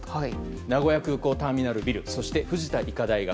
名古屋空港ターミナルビルそして藤田医科大学。